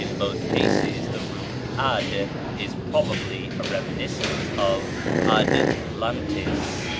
In both cases the root Ad is probably a reminiscence of Ad lantis.